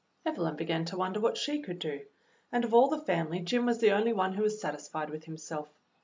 Evelyn began to wonder what she could do, and of all the family Jim was the only one who was sat isfied with himself.